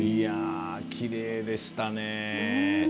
きれいでしたね。